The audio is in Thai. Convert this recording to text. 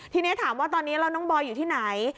ทีนี้ถามว่าตอนนี้แล้วน้องบอยอยู่ที่ไหน